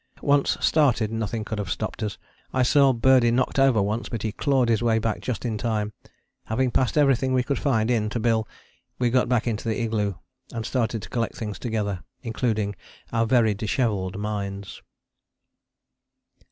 Once started nothing could have stopped us. I saw Birdie knocked over once, but he clawed his way back just in time. Having passed everything we could find in to Bill, we got back into the igloo, and started to collect things together, including our very dishevelled minds.